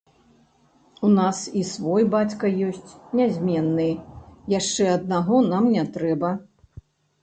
У нас і свой бацька ёсць нязменны, яшчэ аднаго нам не трэба.